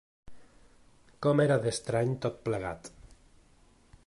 Com era d'estrany tot plegat